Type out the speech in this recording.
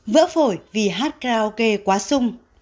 vỡ phổi vì hát karaoke quá sung